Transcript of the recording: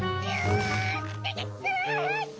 あ！